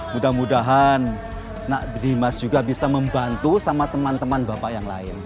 mudah mudahan nak dimas juga bisa membantu sama teman teman bapak yang lain